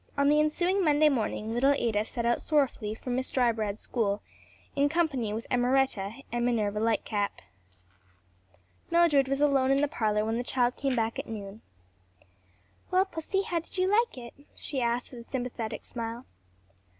On the ensuing Monday morning little Ada set out sorrowfully for Miss Drybread's school, in company with Emmaretta and Minerva Lightcap. Mildred was alone in the parlor when the child came back at noon. "Well, pussy, how did you like it?" she asked with a sympathetic smile.